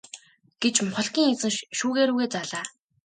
гэж мухлагийн эзэн шүүгээ рүүгээ заалаа.